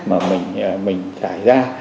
mình thải ra